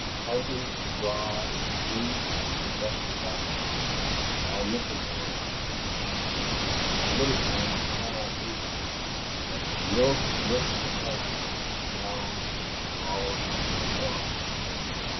Carting the straw that streams from the thresher bows, are Michelmore and Neck—the little man who cannot read, but can milk and whistle the hearts out of his cows till they follow him like dogs.